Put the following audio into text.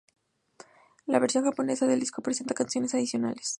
La versión japonesa del disco presenta canciones adicionales.